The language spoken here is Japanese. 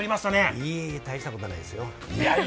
いえいえ、大したことないですよ。